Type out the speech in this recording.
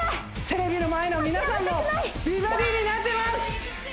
テレビの前の皆さんも美バディになってます